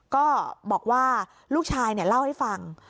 ก็บอกว่าลูกชายเล่าให้ฟัง